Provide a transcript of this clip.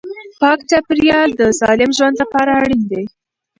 پاک چاپیریال د سالم ژوند لپاره اړین دی.